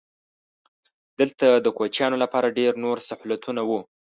دلته د کوچیانو لپاره ډېر نور سهولتونه وو.